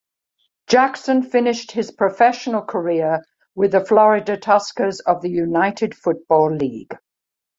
Jackson finished his professional career with the Florida Tuskers of the United Football League.